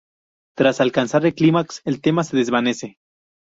Tras alcanzar el clímax, el tema se desvanece.